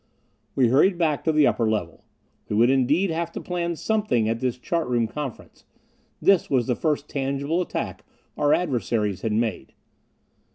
We hurried back to the upper level. We would indeed have to plan something at this chart room conference. This was the first tangible attack our adversaries had made.